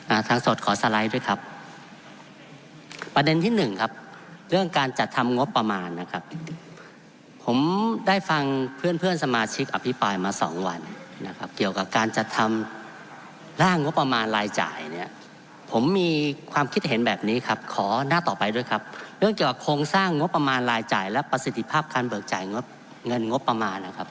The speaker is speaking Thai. ทางสดขอสไลด์ด้วยครับประเด็นที่หนึ่งครับเรื่องการจัดทำงบประมาณนะครับผมได้ฟังเพื่อนเพื่อนสมาชิกอภิปรายมาสองวันนะครับเกี่ยวกับการจัดทำร่างงบประมาณรายจ่ายเนี้ยผมมีความคิดเห็นแบบนี้ครับขอหน้าต่อไปด้วยครับเรื่องเกี่ยวกับโครงสร้างงบประมาณรายจ่ายและประสิทธิภาพการเบิกจ่ายงบเงินงบประมาณนะครับ